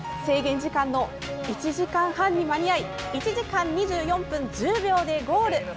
制限時間の１時間半に間に合い１時間２４分１０秒でゴール！